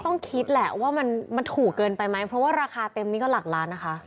ต้องคิดแหละว่ามันถูกเกินไปไหมเพราะว่าราคาเต็มนี้ก็หลักล้านนะคะ